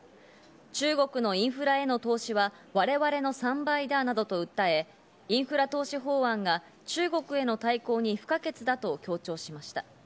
中国のインフラへの投資は我々の３倍だなどと訴え、インフラ投資法案が中国の対抗に不可欠だと強調しました。